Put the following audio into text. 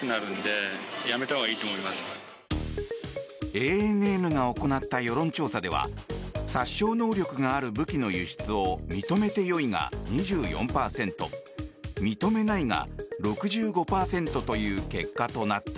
ＡＮＮが行った世論調査では殺傷能力がある武器の輸出を認めてよいが２４％認めないが６５％という結果となった。